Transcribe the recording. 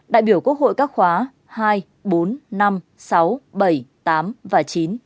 đại biểu quốc hội các khóa hai bốn năm sáu bảy tám và chín